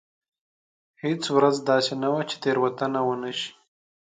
هېڅ ورځ داسې نه وه چې تېروتنه ونه شي.